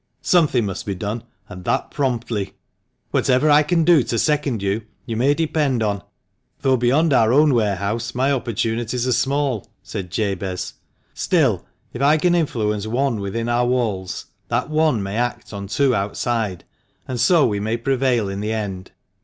Something must be done, and that promptly." "Whatever I can do to second you, you may depend on, though beyond our own warehouse my opportunities are small," said Jabez ;" still, if I can influence one within our walls, that one may act on two outside, and so we may prevail in the end."